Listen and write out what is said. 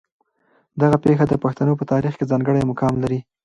دغه پېښه د پښتنو په تاریخ کې ځانګړی مقام لري.